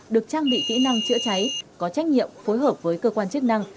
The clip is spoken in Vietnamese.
được trang bị kỹ năng chữa cháy có trách nhiệm phối hợp với cơ quan chức năng